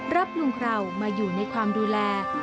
รับลุงคราวมาอยู่ในความดูแล